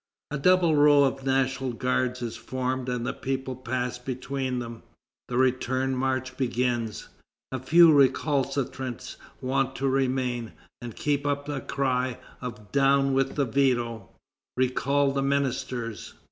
A double row of National Guards is formed, and the people pass between them. The return march begins. A few recalcitrants want to remain, and keep up a cry of "Down with the veto! Recall the ministers!"